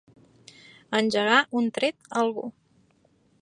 Engegar un tret a algú.